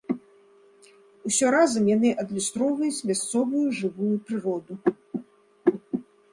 Усё разам яны адлюстроўваюць мясцовую жывую прыроду.